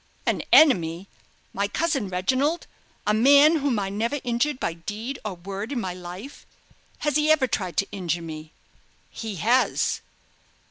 "An enemy! My cousin Reginald, a man whom I never injured by deed or word in my life! Has he ever tried to injure me?" "He has."